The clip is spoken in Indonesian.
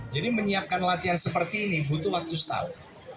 menyiapkan latihan seperti ini butuh waktu setahun